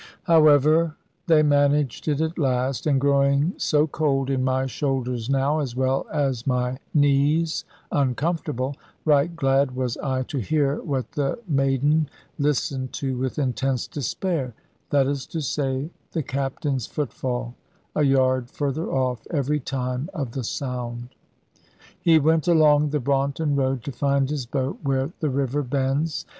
However, they managed it at last; and growing so cold in my shoulders now, as well as my knees uncomfortable, right glad was I to hear what the maiden listened to with intense despair; that is to say, the captain's footfall, a yard further off every time of the sound. Ho went along the Braunton road, to find his boat where the river bends.